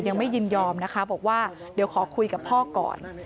ยังไม่ยินยอมนะคะบอกว่าเดี๋ยวขอคุยกับพ่อก่อน